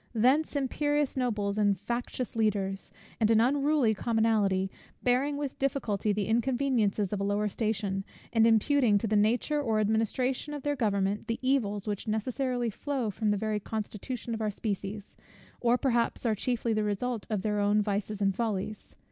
Thence imperious nobles, and factious leaders; and an unruly commonalty, bearing with difficulty the inconveniences of a lower station, and imputing to the nature or administration of their government the evils which necessarily flow from the very constitution of our species, or which perhaps are chiefly the result of their own vices and follies.